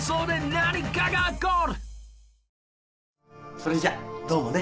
それじゃどうもね。